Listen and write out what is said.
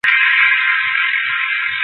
তখনি, তার আসল রূপ দেখলাম।